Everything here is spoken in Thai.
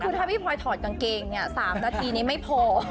คือถ้าพี่พลอยถอดกางเกงเนี่ย๓นาทีนี้ไม่พอ